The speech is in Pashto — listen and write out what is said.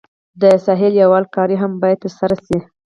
د ساحې لیول کاري هم باید ترسره شي